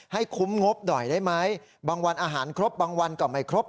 ให้คุ้มงบหน่อยได้ไหมบางวันอาหารครบบางวันก็ไม่ครบ